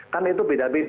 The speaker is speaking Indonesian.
kan itu beda beda